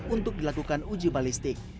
untuk dilakukan uji balistik